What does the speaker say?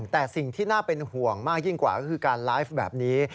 แต่สิ่งที่น่าเป็นห่วงมากยิ่งกว่าก็คือการไลฟ์แบบนี้